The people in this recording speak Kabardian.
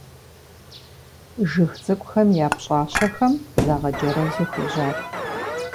Жыг цӀыкӀухэм я пщӀащэхэм загъэджэрэзу хуежьат.